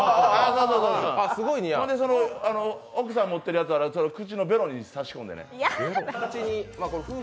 ほんで、奥さんが持ってるやつ口のベロに差し込んで。